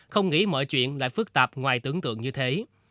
không nghĩ mọi chuyện lại phức tạp ngoài tưởng tượng như thế